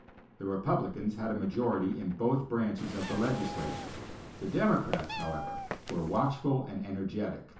The Republicans had a majority in both branches of the legislature; the Democrats, however, were watchful and energetic.